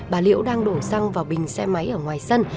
bà liễu đang đổ xăng vào bình xe máy ở ngoài sân